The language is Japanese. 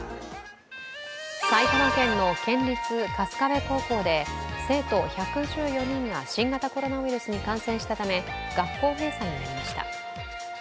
埼玉県の県立春日部高校で生徒１１４人が新型コロナウイルスに感染したため学校閉鎖になりました。